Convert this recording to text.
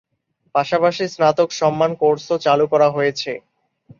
পাশাপাশি স্নাতক সম্মান কোর্সও চালু করা হয়েছে।